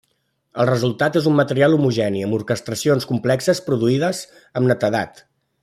El resultat és un material homogeni amb orquestracions complexes produïdes amb netedat.